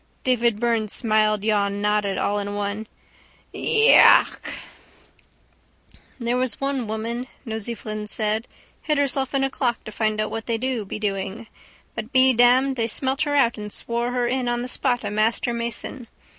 Davy Byrne smiledyawnednodded all in one: —Iiiiiichaaaaaaach! —There was one woman, Nosey Flynn said, hid herself in a clock to find out what they do be doing. But be damned but they smelt her out and swore her in on the spot a master mason.